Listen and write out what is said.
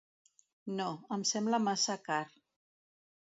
No, em sembla massa car.